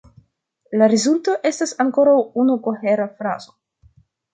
La rezulto estas ankoraŭ unu kohera frazo.